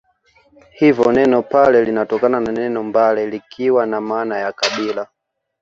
Hivyo neno Pare linatokana na neno mbare likiwa na maana ya kabila